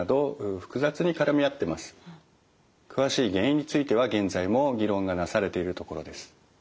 詳しい原因については現在も議論がなされているところです。